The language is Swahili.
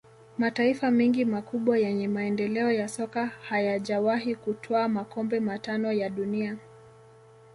Mataifa mengi makubwa yenye maendeleo ya soka hayajawahi kutwaa makombe matano ya dunia